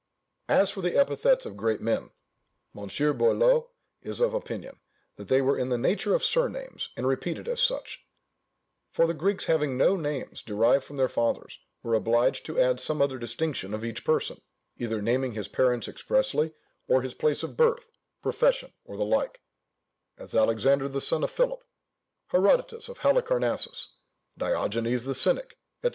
As for the epithets of great men, Mons. Boileau is of opinion, that they were in the nature of surnames, and repeated as such; for the Greeks having no names derived from their fathers, were obliged to add some other distinction of each person; either naming his parents expressly, or his place of birth, profession, or the like: as Alexander the son of Philip, Herodotus of Halicarnassus, Diogenes the Cynic, &c.